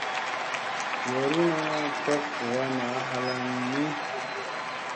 Yoorina tok huu wa naa halaŋ ni.